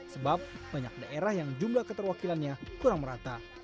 sebab banyak daerah yang jumlah keterwakilannya kurang merata